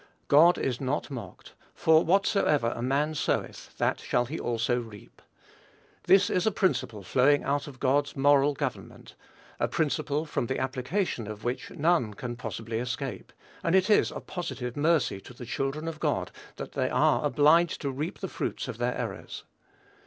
"God is not mocked, for whatsoever a man soweth that shall he also reap." This is a principle flowing out of God's moral government, a principle, from the application of which none can possibly escape; and it is a positive mercy to the children of God that they are obliged to reap the fruits of their errors.